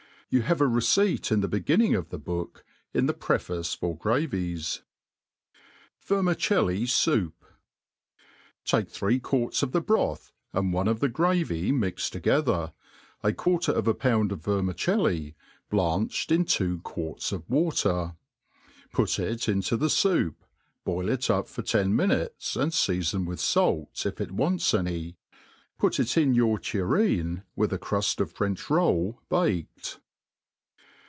You have a receipt in the beginning of the book, in the preface for gravies. Vermicelli Soup^ TAKE three quarts of the broth, and one of the gravy mixed together, a quarter of a pound of vermiceli blanched in two quarts of water ; put it into the foup, boil it up for ten minutes, and feafon with fait, if it wants any^ put it in your tureen, with a cruft of a French roll baked.